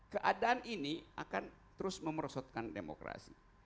keadaan ini akan terus memerosotkan demokrasi